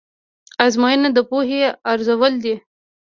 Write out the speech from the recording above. ازموینه د پوهې ارزول دي.